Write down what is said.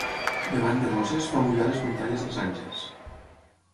Llevant de Roses, fa mullar les muntanyes dels Àngels.